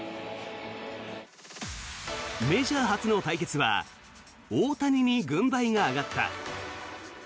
メジャー初の対決は大谷に軍配が上がった。